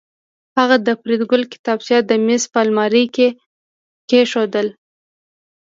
هغه د فریدګل کتابچه د میز په المارۍ کې کېښوده